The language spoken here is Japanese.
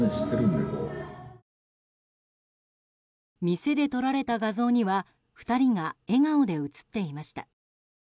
店で撮られた画像には２人が笑顔で写っていました。